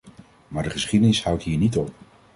Maar de geschiedenis houdt hier niet op.